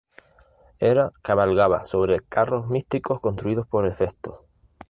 Hera cabalga sobre carros místicos construidos por Hefesto.